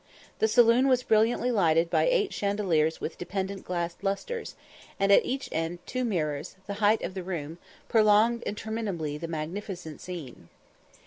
The saloon was brilliantly lighted by eight chandeliers with dependent glass lustres; and at each end two mirrors, the height of the room, prolonged interminably the magnificent scene.